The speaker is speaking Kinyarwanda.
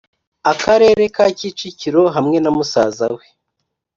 Akarere ka Kicukiro hamwe na musaza we